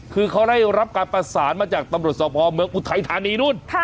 คือเขาได้รับการประสานมาจากตำรวจสพเมืองอุทัยธานีนู่น